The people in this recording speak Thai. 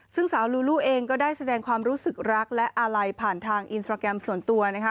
ซึ่งสาวลูลูเองก็ได้แสดงความรู้สึกรักและอาลัยผ่านทางอินสตราแกรมส่วนตัวนะคะ